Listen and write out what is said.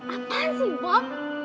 apaan sih bob